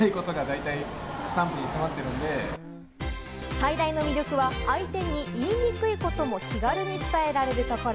最大の魅力は、相手に言いにくいことも気軽に伝えられるところ。